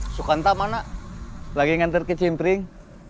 sudah membalikkan perang